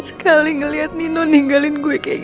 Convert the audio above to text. jangan tinggalin aku sayang